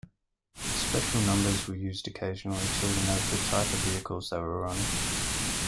Special numbers were used occasionally to denote the type of vehicles they were on.